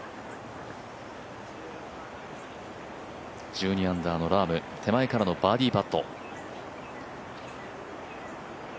１２アンダーのラーム手前からのバーディーパット。